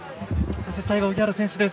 そして最後、荻原選手です。